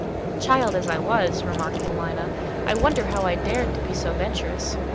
"Child as I was," remarked Paulina, "I wonder how I dared be so venturous.